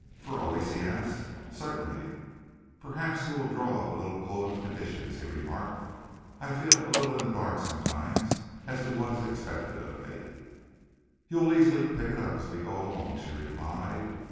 "For always?" he asked. "Certainly!" "Perhaps you will draw up a little code of conditions," he remarked. "I feel a little in the dark sometimes as to what is expected of me." "You will easily pick it up as we go along," she replied.